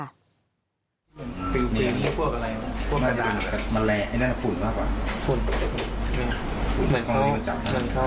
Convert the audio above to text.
มันแหละไอ้นั่นฝุ่นมากกว่า